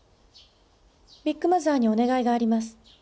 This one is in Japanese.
ビッグマザーにお願いがあります。